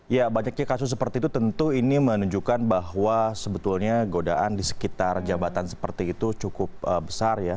ya banyaknya kasus seperti itu tentu ini menunjukkan bahwa sebetulnya godaan di sekitar jabatan seperti itu cukup besar ya